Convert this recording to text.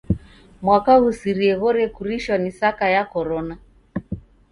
Mwaka ghusirie ghorekurishwa ni saka ya Korona.